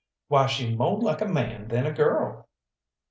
"Why, she's mo' like a man than a girl!"